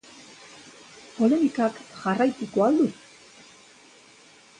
Polemikak jarraituko al du?